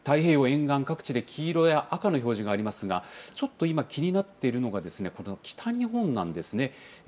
こうやって見てみますと、今の段階で、太平洋沿岸各地で黄色や赤の表示がありますが、ちょっと今、気になっているのがこの北日本なんですね。